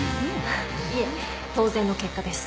いえ当然の結果です。